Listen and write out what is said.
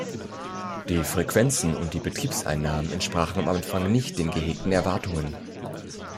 Die Frequenzen und die Betriebseinnahmen entsprachen am Anfang nicht den gehegten Erwartungen.